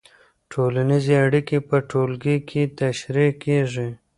ټولنیزې اړیکې په ټولګي کې تشریح کېږي.